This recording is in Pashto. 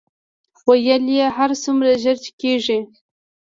ویل یې هر څومره ژر چې کېږي.